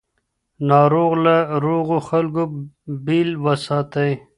ناروغ له روغو خلکو بیل وساتئ.